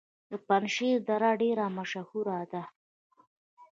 د پنجشیر دره ډیره مشهوره ده